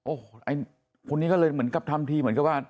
โอ๋เอ้ยคนนี้ก็เลยเรียกเหมือนกับทำพิมันก็ว่า